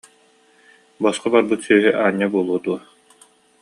Босхо барбыт сүөһү аанньа буолуо дуо